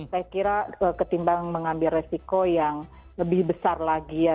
saya kira ketimbang mengambil resiko yang lebih besar lagi ya